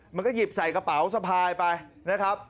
มันก็หยิบใส่กระเป๋าสะพายไปนะครับ